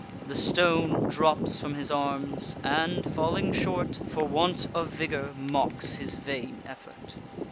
The stone drops from his arms, and, falling short For want of vigour, mocks his vain effort.